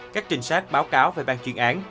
các trình sát báo cáo về ban chuyên án